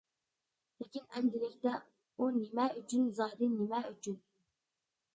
لېكىن ئەمدىلىكتە ئۇ نېمە ئۈچۈن؟ زادى نېمە ئۈچۈن؟ !